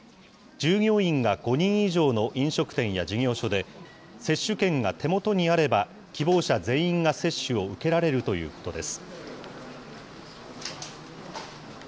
従業員が５人以上の飲食店や事業所で、接種券が手元にあれば、希望者全員が接種を受けられるということです。